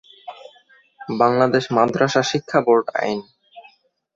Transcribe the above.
বাংলাদেশ মাদ্রাসা শিক্ষা বোর্ড আইন